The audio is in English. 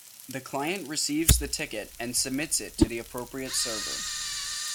The client receives the ticket and submits it to the appropriate server.